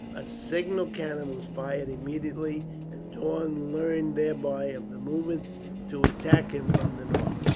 A signal cannon was fired immediately, and Daun learned thereby of the movement to attack him from the north.